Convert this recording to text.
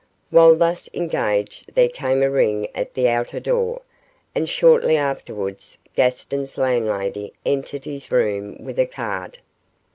While thus engaged there came a ring at the outer door, and shortly afterwards Gaston's landlady entered his room with a card.